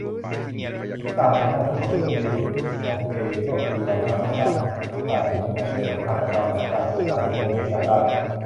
ผลที่ตามมาอันน่าทึ่งของทฤษฎีบทของเบย์ก็คือเราสามารถสร้างการอนุมานที่สวนทางกับลำดับการเป็นสาเหตุของเหตุการณ์ได้